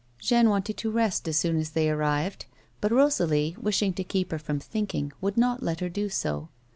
Jeanne wanted to rest as soon as they arrived, but Eosalie, wishing to keep her from thinking, would not let her do so.